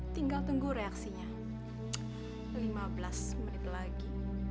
tinggal tunggu reaksinya lima belas menit lagi